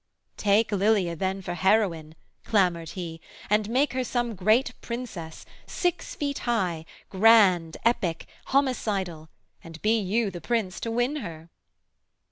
'Take Lilia, then, for heroine' clamoured he, 'And make her some great Princess, six feet high, Grand, epic, homicidal; and be you The Prince to win her!'